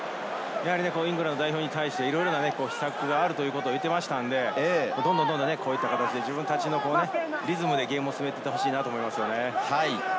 イングランド代表に対していろいろな施策があるということを言っていましたので、どんどんこういった形で自分たちのリズムでゲームを進めていってほしいと思いますね。